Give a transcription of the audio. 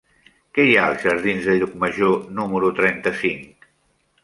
Què hi ha als jardins de Llucmajor número trenta-cinc?